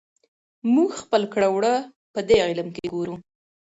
موږ خپل کړه وړه پدې علم کې ګورو.